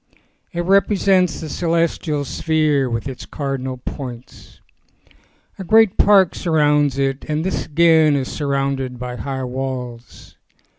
It represents the celestial sphere with its cardinal points. A great park surrounds it and this again is surrounded by high walls.